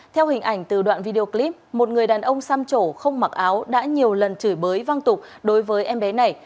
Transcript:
theo hình ảnh từ đoạn video clip một người đàn ông xăm trổ không mặc áo đã nhiều lần chửi bới văng tục đối với em bé này